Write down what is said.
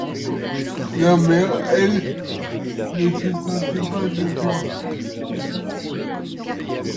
La mère, elle, ne se sentait pas de joie.